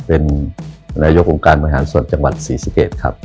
เป็นนายกองการมหาส่วนจังหวัด๔๑ครับ